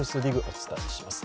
お伝えします。